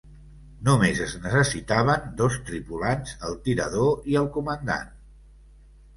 Només es necessitaven dos tripulants, el tirador i el comandant.